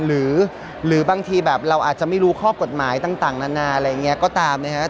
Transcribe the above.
หรือบางทีแบบเราอาจจะไม่รู้ข้อกฎหมายต่างนานาอะไรอย่างนี้ก็ตามนะครับ